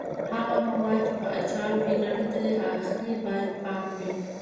هغه مواد چې په اچارو کې ګټه ترې اخلي باید پاک وي.